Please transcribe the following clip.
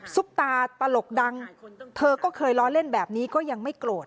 ตาตลกดังเธอก็เคยล้อเล่นแบบนี้ก็ยังไม่โกรธ